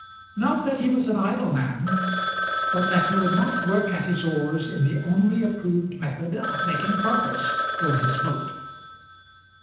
Not that he was an idle man, but that he would not work at his oars in the only approved method of making progress for his boat.